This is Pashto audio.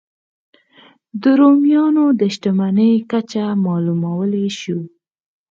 د رومیانو د شتمنۍ کچه معلومولای شو.